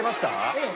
ええ。